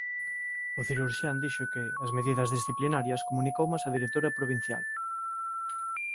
O cirurxián dixo que "as medidas disciplinarias comunicoumas a directora provincial".